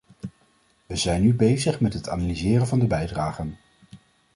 We zijn nu bezig met het analyseren van de bijdragen.